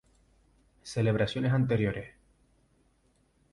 Celebraciones anteriores